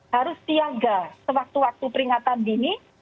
harus tiaga sewaktu waktu peringatan dini